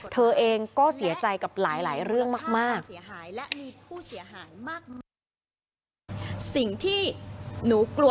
เธอเองก็เสียใจกับหลายเรื่องมาก